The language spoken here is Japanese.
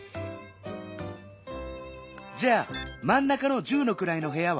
じゃあまん中の「十のくらい」のへやは？